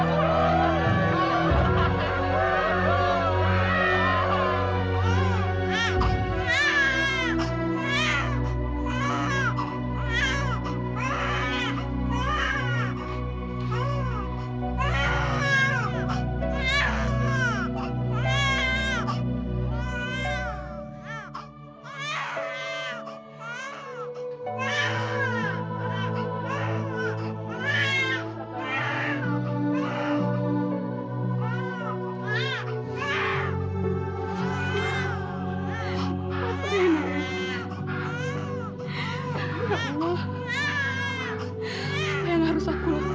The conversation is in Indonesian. kalian boleh puaskan pukul saya